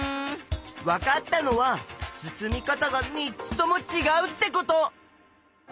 わかったのは進み方が３つともちがうってこと。